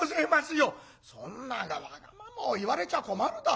「そんなわがままを言われちゃ困るだろう？